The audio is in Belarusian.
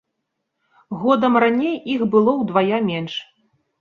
Годам раней іх было ўдвая менш.